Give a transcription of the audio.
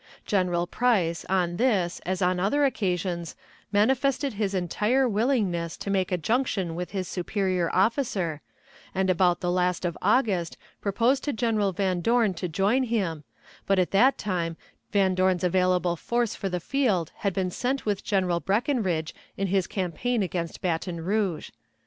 General Price on this as on other occasions manifested his entire willingness to make a junction with his superior officer, and about the last of August proposed to General Van Dorn to join him, but at that time Van Dorn's available force for the field had been sent with General Breckinridge in his campaign against Baton Rouge.